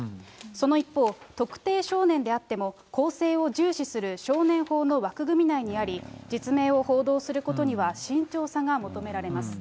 その一方、特定少年であっても、更生を重視する少年法の枠組み内にあり、実名を報道することには慎重さが求められます。